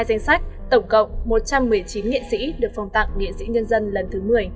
hai danh sách tổng cộng một trăm một mươi chín nghệ sĩ được phong tặng nghệ sĩ nhân dân lần thứ một mươi